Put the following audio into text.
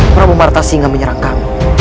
prabu martasi gak menyerang kami